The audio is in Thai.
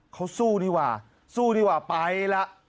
เคานั่กสู้ดีว่าสู้ดีว่าไปลละ